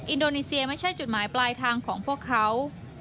อินโดนีเซียไม่ใช่จุดหมายปลายทางของพวกเขา